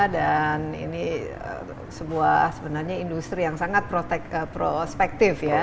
ini sebuah sebenarnya industri yang sangat prospektif ya